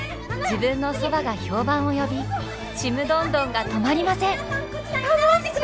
自分のそばが評判を呼びちむどんどんが止まりません！